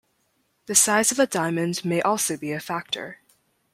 The size of a diamond may also be a factor.